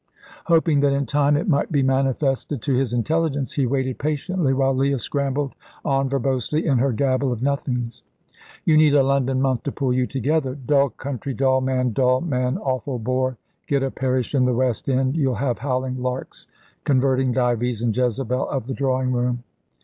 Hoping that in time it might be manifested to his intelligence, he waited patiently, while Leah scrambled on verbosely in her gabble of nothings. "You need a London month to pull you together. Dull country, dull man; dull man, awful bore. Get a parish in the West End; you'll have howling larks converting Dives and Jezebel of the drawing room."